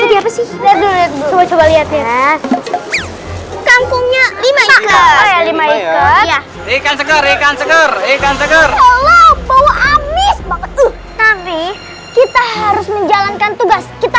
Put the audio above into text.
lima ya ikan seger ikan seger ikan seger bawa amis banget tuh tapi kita harus menjalankan tugas kita